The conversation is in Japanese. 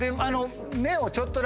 目をちょっとだけ。